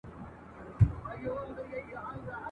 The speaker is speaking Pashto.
آیا نوم ئې په زرینو کرښو لیکل سوی؟